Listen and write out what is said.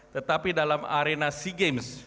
tetapi dalam arena sea games